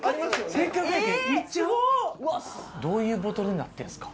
どういうボトルになってんすか？